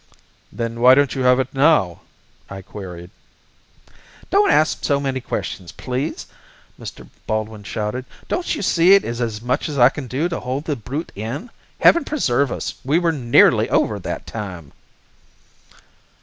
"Then why don't you have it now?" I queried. "Don't ask so many questions, please," Mr. Baldwin shouted. "Don't you see it is as much as I can do to hold the brute in? Heaven preserve us, we were nearly over that time."